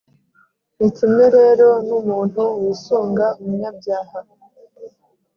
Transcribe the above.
Ni kimwe rero n’umuntu wisunga umunyabyaha,